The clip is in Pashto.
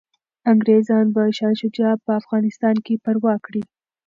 انګریزان به شاه شجاع په افغانستان کي پرواک کړي.